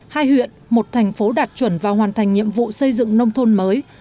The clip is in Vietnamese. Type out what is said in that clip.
hai huyện một thành phố đạt chuẩn và hoàn thành nhiệm vụ xây dựng nông thôn mới